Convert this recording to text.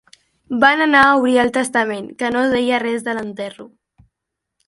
Van anar a obrir el testament, que no deia res de l'enterro.